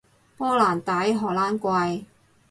波蘭低，荷蘭貴